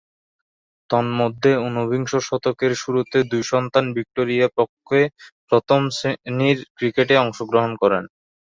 তন্মধ্যে ঊনবিংশ শতকের শুরুতে দুই সন্তান ভিক্টোরিয়ার পক্ষে প্রথম-শ্রেণীর ক্রিকেটে অংশগ্রহণ করেন।